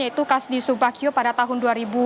yaitu ksd subakyo pada tahun dua ribu dua puluh tiga